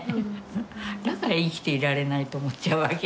だから生きていられないと思っちゃうわけ。